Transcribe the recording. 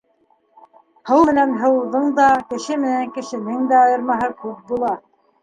Һыу менән һыуҙың да, кеше менән кешенең дә айырмаһы күп була.